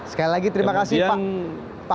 sekali lagi terima kasih pak